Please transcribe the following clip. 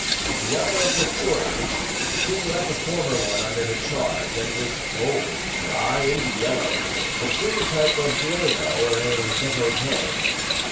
The other, of mature age, seemed to have the former one under her charge, and was cold, dry and yellow—the true type of a duenna or a devotee.